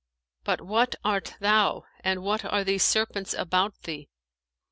But what art thou and what are these serpents about thee?'